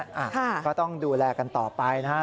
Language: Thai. อ่าก็ต้องดูแลกันต่อไปนะฮะ